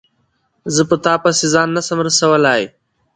زه په تا پسي ځان نه سم رسولای